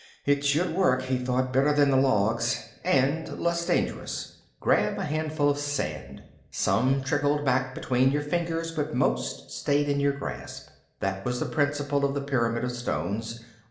It should work, he thought, better than the logs and less dangerous. Grab a handful of sand. Some trickled back between your fingers, but most stayed in your grasp. That was the principle of the pyramid of stones.